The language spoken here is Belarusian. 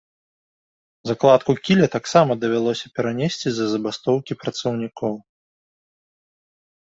Закладку кіля таксама давялося перанесці з-за забастоўкі працаўнікоў.